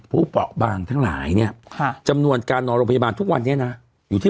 เปาะบางทั้งหลายเนี่ยค่ะจำนวนการนอนโรงพยาบาลทุกวันนี้นะอยู่ที่